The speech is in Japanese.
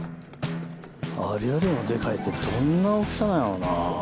あれよりもデカいってどんな大きさなんやろな。